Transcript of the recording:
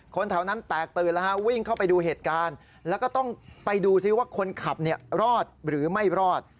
แถวนั้นแตกตื่นแล้วฮะวิ่งเข้าไปดูเหตุการณ์แล้วก็ต้องไปดูซิว่าคนขับรอดหรือไม่รอด